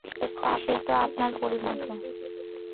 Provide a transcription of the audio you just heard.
সে তো আপনার পরিবারের লোকের মতো।